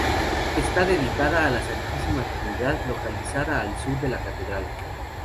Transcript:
Está dedicada a la Santísima Trinidad, localizada al sur de la catedral.